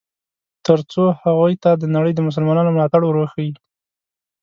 ترڅو هغوی ته د نړۍ د مسلمانانو ملاتړ ور وښیي.